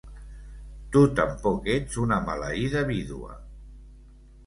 Tu tampoc ets una maleïda vídua!